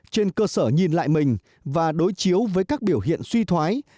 trên cơ sở nhìn lại mình và đối chiếu với các biểu hiện suy thoái